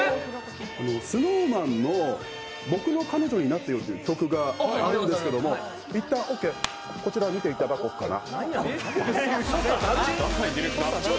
ＳｎｏｗＭａｎの「僕の彼女になってよ」という曲があるんですけども、いったんオーケーこちら見ていただこうかな。